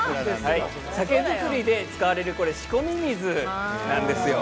酒造りで使われる仕込み水です。